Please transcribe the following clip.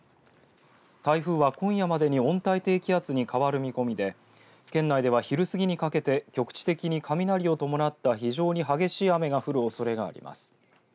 台風は、今夜までに温帯低気圧に変わる見込みで県内では、昼過ぎにかけて局地的に雷を伴った非常に激しい雨が降るおそれがあります。